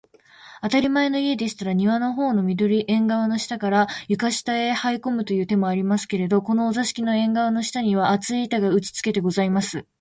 あたりまえの家でしたら、庭のほうの縁がわの下から、床下へはいこむという手もありますけれど、このお座敷の縁がわの下には、厚い板が打ちつけてございます